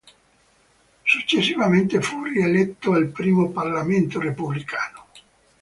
Successivamente fu rieletto al primo parlamento repubblicano.